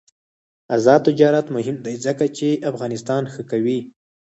آزاد تجارت مهم دی ځکه چې افغانستان ښه کوي.